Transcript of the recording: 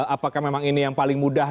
apakah memang ini yang paling mudah